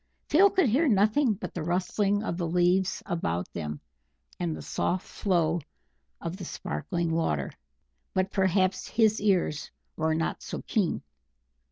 Phil could hear nothing but the rustling of the leaves about them, and the soft flow of the sparkling water; but perhaps his ears were not so keen.